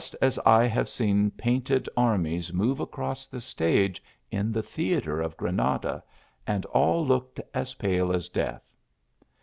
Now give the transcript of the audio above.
s * have seen painted armies move across the stage in : theatre of Granada, and ail looked as pale as a_ath.